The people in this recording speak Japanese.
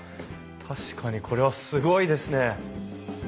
確かにこれはすごいですね！